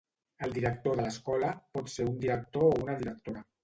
El director de l'escola pot ser un director o una directora